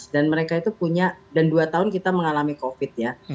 dan mereka itu punya dan dua tahun kita mengalami covid ya